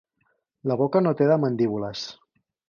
La boca no té de mandíbules.